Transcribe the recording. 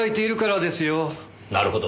なるほど。